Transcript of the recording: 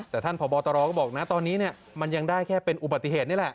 แต่ท่านพบตรก็บอกนะตอนนี้มันยังได้แค่เป็นอุบัติเหตุนี่แหละ